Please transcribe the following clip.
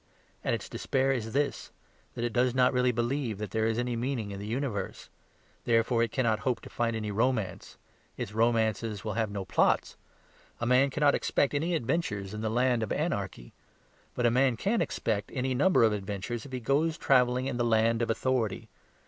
And its despair is this, that it does not really believe that there is any meaning in the universe; therefore it cannot hope to find any romance; its romances will have no plots. A man cannot expect any adventures in the land of anarchy. But a man can expect any number of adventures if he goes travelling in the land of authority.